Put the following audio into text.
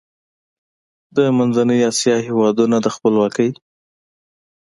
د منځنۍ اسیا هېوادونو د خپلواکۍ